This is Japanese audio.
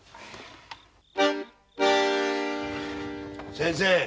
先生。